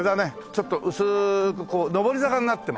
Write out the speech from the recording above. ちょっと薄くこう上り坂になってますね。